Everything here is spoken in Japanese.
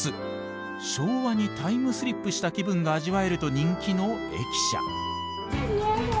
昭和にタイムスリップした気分が味わえると人気の駅舎。